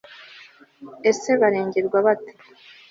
ese barengerwa bate